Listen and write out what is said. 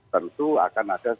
tentu akan ada